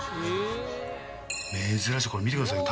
珍しいこれ見てくださいよ